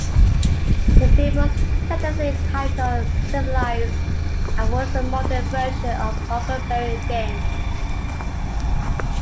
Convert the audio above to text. The film was tentatively titled "Sivilized" and was a modern version of "Huckleberry Finn".